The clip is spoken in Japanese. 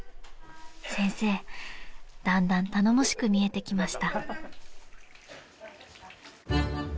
［先生だんだん頼もしく見えてきました］